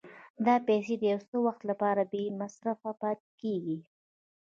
دا پیسې د یو څه وخت لپاره بې مصرفه پاتې کېږي